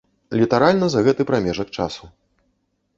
Літаральна за гэты прамежак часу.